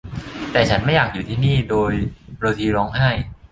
แต่ฉันไม่อยากอยู่ที่นี่ โดโรธีร้องไห้